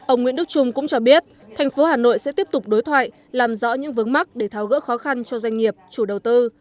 ông nguyễn đức trung cũng cho biết thành phố hà nội sẽ tiếp tục đối thoại làm rõ những vấn mắc để tháo gỡ khó khăn cho doanh nghiệp chủ đầu tư